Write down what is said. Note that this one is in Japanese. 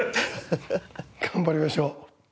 頑張りましょう。